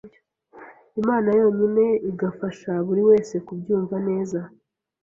Imana yonyine igafasha buriwese kubyunva neza.